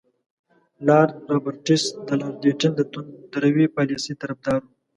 لارډ رابرټس د لارډ لیټن د توندروي پالیسۍ طرفدار وو.